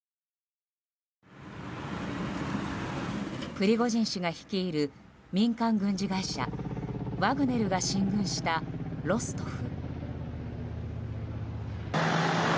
プリゴジン氏が率いる民間軍事会社ワグネルが進軍したロストフ。